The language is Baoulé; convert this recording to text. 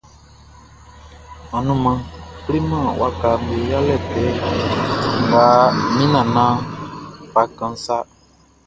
Anumanʼn kleman wakaʼm be yalɛ kɛ nga min nannanʼn fa kanʼn sa.